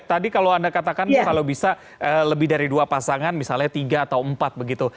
tadi kalau anda katakan kalau bisa lebih dari dua pasangan misalnya tiga atau empat begitu